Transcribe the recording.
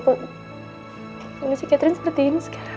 ketemu catherine seperti ini sekarang